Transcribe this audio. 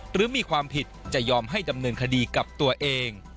หรือมีความผิดจะยอมให้ดำเนินคดีกับตัวเอง